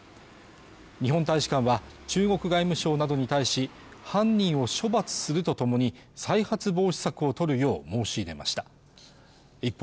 日本大使館は中国外務省などに対し犯人を処罰するとともに再発防止策を取るよう申し入れました一方